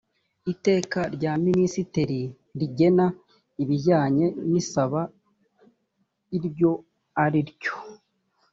iteka rya minisitiri rigena ibijyanye n’isaba iryo ari ryo